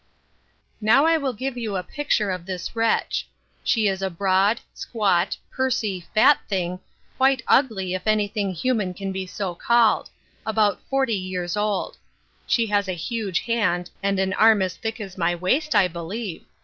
Now I will give you a picture of this wretch: She is a broad, squat, pursy, fat thing, quite ugly, if any thing human can be so called; about forty years old. She has a huge hand, and an arm as thick as my waist, I believe.